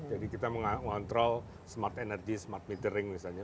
jadi kita mengontrol smart energy smart metering misalnya